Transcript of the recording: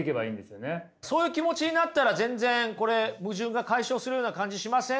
そういう気持ちになったら全然これ矛盾が解消するような感じしません？